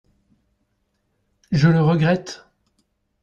Je le regrette.